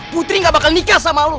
putri gak bakal nikah sama allah